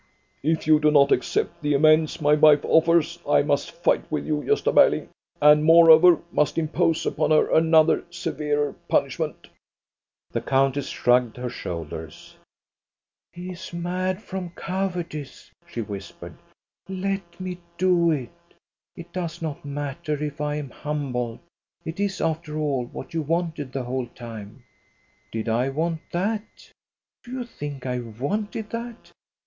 " If you do not accept the amends my wife offers, I must fight with you, Gosta Berling, and moreover must impose upon her another, severer, punishment." The countess shrugged her shoulders. " He is mad from cowardice," she whispered. " Let me do it ! It does not matter if I am humbled. It is after all what you wanted the whole time." "Did I want that? Do you think I wanted that?